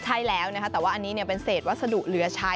ใช่แล้วนะคะแต่ว่าอันนี้เป็นเศษวัสดุเหลือใช้